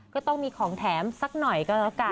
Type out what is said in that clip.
ก็ต้องมีของแถมสักหน่อยก็แล้วกัน